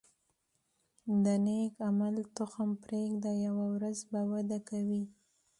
د نیک عمل تخم پرېږده، یوه ورځ به وده کوي.